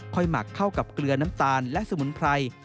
หมักเข้ากับเกลือน้ำตาลและสมุนไพร